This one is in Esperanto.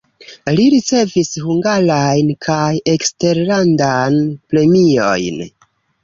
Li ricevis hungarajn kaj eksterlandan premiojn.